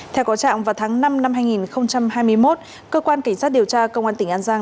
theo có trạng vào tháng năm năm hai nghìn hai mươi một cơ quan cảnh sát điều tra công an tỉnh an giang